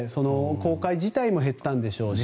公開自体も減ったんでしょうし。